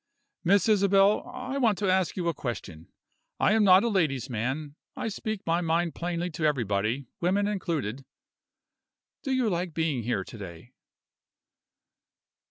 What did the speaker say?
"Miss Isabel, I want to ask you a question. I'm not a ladies' man. I speak my mind plainly to everybody women included. Do you like being here to day?"